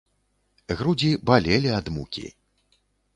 Грудзі балелі ад мукі.